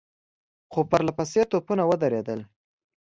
څو پرله پسې توپونه ودربېدل.